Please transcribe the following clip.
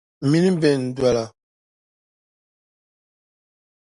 M mini bɛn doli.